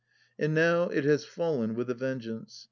And now it has fallen with a vengeance.